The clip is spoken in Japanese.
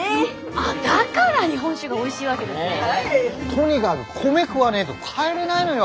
ああだから日本酒がおいしいわけですね。とにかぐ米食わねえと帰れないのよ。